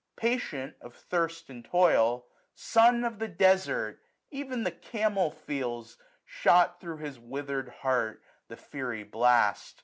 Patient of thirst and toil, 965 Son of the desart ! ev'n the camel feels. Shot through his witherM heart, the fiery blast.